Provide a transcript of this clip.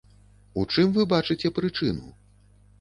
У чым вы бачыце прычыну?